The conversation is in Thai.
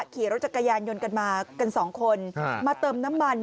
ขี่รถจักรยานยนต์กันมากันสองคนมาเติมน้ำมัน